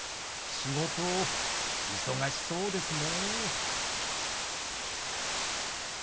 「仕事忙しそうですね」。